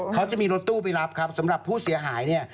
เขาจะมีรถตู้ไปรับครับสำหรับผู้เสียหายเนี่ย